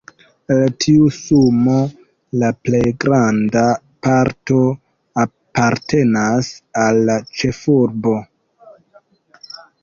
El tiu sumo la plej granda parto apartenas al la ĉefurbo.